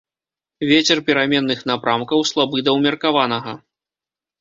Вецер пераменных напрамкаў, слабы да ўмеркаванага.